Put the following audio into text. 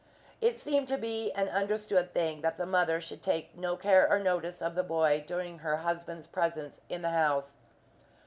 It seemed to be an understood thing that the mother should take no care or notice of the boy during her husband's presence in the house.